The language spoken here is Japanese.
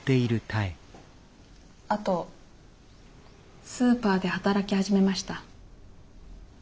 あとスーパーで働き始めました。